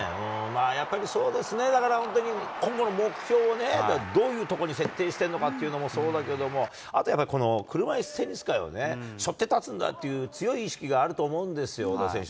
やっぱりそうですね、だから本当に今後の目標をね、どういうとこに設定してるのかっていうのもそうだけども、あとやっぱり、この車いすテニス界をね、しょって立つんだっていう強い意識があると思うんですよ、小田選手。